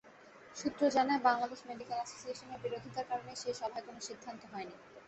সূত্র জানায়, বাংলাদেশ মেডিকেল অ্যাসোসিয়েশনের বিরোধিতার কারণে সেই সভায় কোনো সিদ্ধান্ত হয়নি।